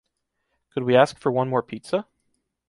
Could we ask for one more pizza?